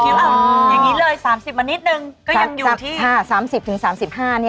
อย่างงี้เลย๓๐มานิดหนึ่ง